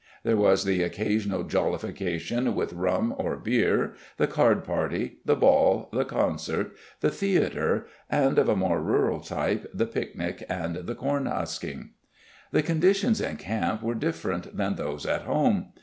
There was the occasional jollification with rum or beer, the card party, the ball, the concert, the theater, and of a more rural type the picnic and the "corn husking". The conditions in camp were different than those at home.